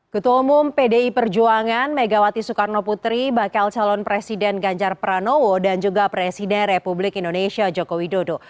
ketua umum pdi perjuangan megawati soekarno putri bakal calon presiden ganjar pranowo dan juga presiden republik indonesia joko widodo